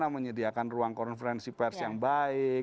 menyediakan ruang konferensi pers yang baik